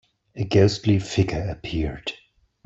A ghostly figure appeared.